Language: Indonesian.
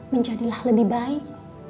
menjadilah lebih baik